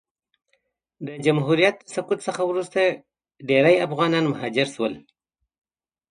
د جمهوریت د سقوط څخه وروسته ډېری افغانان مهاجر سول.